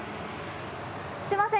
すみません